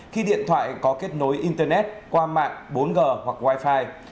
khi điện thoại có kết nối internet qua mạng bốn g hoặc wi fi